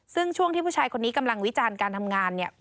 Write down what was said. ซึ่งช่วงที่ผู้ชายคนนี้กำลังวิจารณ์การทำงานเนี่ย